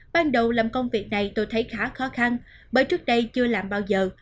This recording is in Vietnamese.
ban đầu làm công việc này tôi thấy khá khó khăn bởi trước đây chưa làm bao giờ